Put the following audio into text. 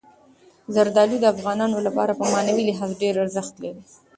زردالو د افغانانو لپاره په معنوي لحاظ ډېر ارزښت لري.